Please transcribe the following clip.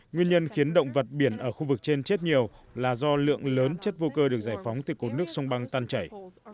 nguyên nhân khiến động vật biển ở khu vực trên chết nhiều là do lượng lớn chất vô cơ được giải phóng từ cột nước sông băng tan chảy